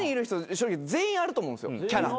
正直全員あると思うんですよキャラ。